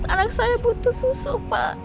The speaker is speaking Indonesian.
anak saya butuh susu pak